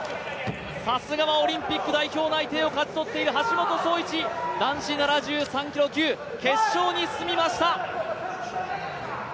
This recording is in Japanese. さすがはオリンピック代表内定を勝ち取っている橋本、男子７３キロ級、決勝に進みました。